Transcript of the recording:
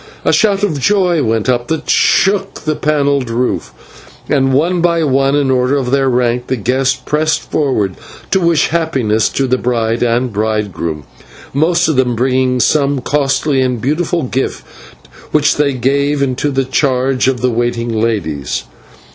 A shout of joy went up that shook the panelled roof, and one by one, in order of their rank, the guests pressed forward to wish happiness to the bride and bridegroom, most of them bringing some costly and beautiful gift, which they gave into the charge of the waiting ladies.